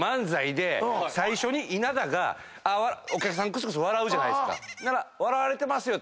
最初に稲田がお客さんクスクス笑うじゃないですか。